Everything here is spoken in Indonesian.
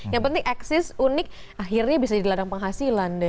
yang penting eksis unik akhirnya bisa dilarang penghasilan deh